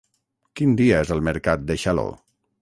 Quin dia és el mercat de Xaló?